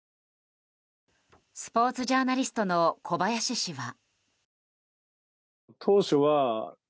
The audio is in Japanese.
スポーツジャーナリストの小林氏は。